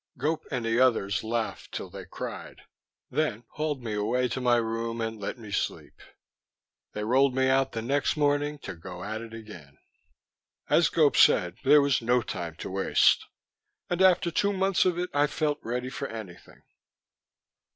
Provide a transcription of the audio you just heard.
Gope and the others laughed til they cried, then hauled me away to my room and let me sleep. They rolled me out the next morning to go at it again. As Gope said, there was no time to waste ... and after two months of it I felt ready for anything.